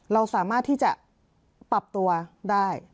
เราสามารถที่จะปรับตัวได้